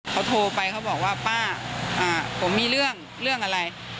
เขาโทรไปเขาบอกว่าป้าผมมีเรื่องเรื่องอะไร